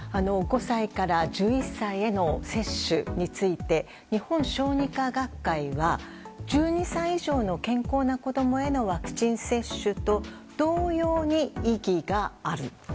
５歳から１１歳への接種について日本小児科学会は１２歳以上の健康な子供へのワクチン接種と同様に意義がある。